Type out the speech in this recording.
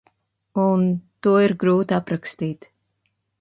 Un – to ir grūti aprakstīt.